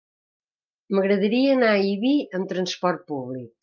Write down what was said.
M'agradaria anar a Ibi amb transport públic.